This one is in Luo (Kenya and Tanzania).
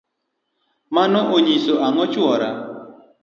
mano onyiso ang'o chuora?